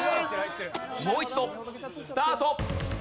もう一度スタート。